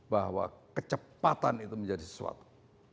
bahwa kecepatan itu menjadi sesuatu